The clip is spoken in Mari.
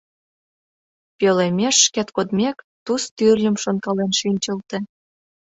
Пӧлемеш шкет кодмек, Туз тӱрлым шонкален шинчылте.